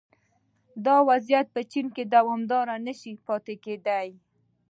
دا وضعیت په چین کې دوامداره نه شي پاتې کېدای